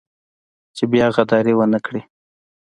چې بيا غداري ونه کړي.